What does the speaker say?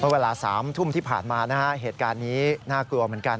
เวลา๓ทุ่มที่ผ่านมานะฮะเหตุการณ์นี้น่ากลัวเหมือนกัน